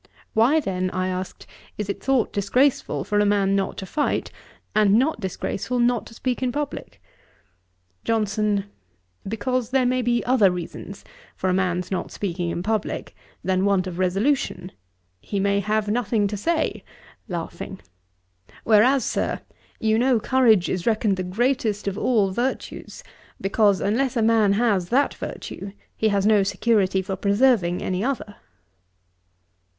'Why then, (I asked,) is it thought disgraceful for a man not to fight, and not disgraceful not to speak in publick?' JOHNSON. 'Because there may be other reasons for a man's not speaking in publick than want of resolution: he may have nothing to say, Whereas, Sir, you know courage is reckoned the greatest of all virtues; because, unless a man has that virtue, he has no security for preserving any other.'